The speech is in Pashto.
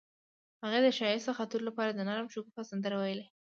هغې د ښایسته خاطرو لپاره د نرم شګوفه سندره ویله.